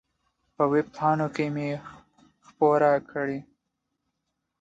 په وېب پاڼو کې مې خپره کړه.